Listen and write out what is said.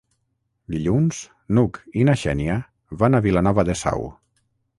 Dilluns n'Hug i na Xènia van a Vilanova de Sau.